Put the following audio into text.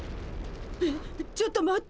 えっちょっと待って。